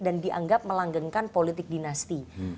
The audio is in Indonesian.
dan dianggap melanggengkan politik dinasti